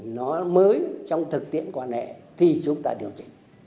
nó mới trong thực tiễn quan hệ thì chúng ta điều chỉnh